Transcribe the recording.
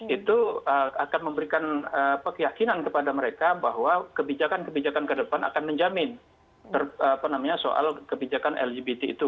itu akan memberikan keyakinan kepada mereka bahwa kebijakan kebijakan ke depan akan menjamin soal kebijakan lgbt itu